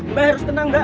mbak harus tenang mbak